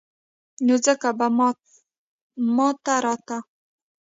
نو ځکه به ما ته راته.